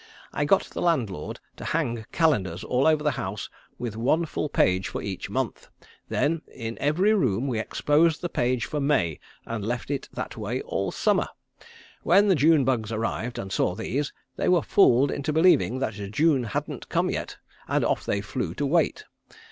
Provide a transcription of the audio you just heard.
I got the landlord to hang calendars all over the house with one full page for each month. Then in every room we exposed the page for May and left it that way all summer. When the June bugs arrived and saw these, they were fooled into believing that June hadn't come yet, and off they flew to wait.